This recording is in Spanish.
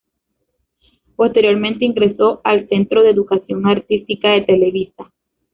Posteriormente ingresó al Centro de Educación Artística de Televisa.